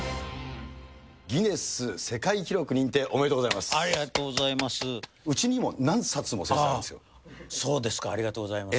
ギネス世界記録認定、おめでありがとうございます。